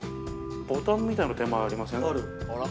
ボタンみたいなのがありませある。